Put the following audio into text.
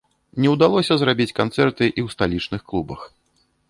Не ўдалося зрабіць канцэрты і ў сталічных клубах.